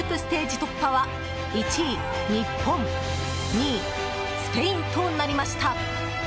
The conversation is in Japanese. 突破は１位、日本２位、スペインとなりました。